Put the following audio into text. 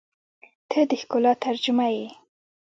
• ته د ښکلا ترجمه یې.